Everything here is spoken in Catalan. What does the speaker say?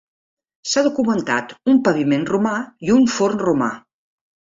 S'ha documentat un paviment romà i un forn romà.